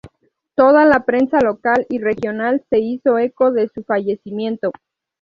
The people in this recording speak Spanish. Toda la prensa local y regional se hizo eco de su fallecimiento.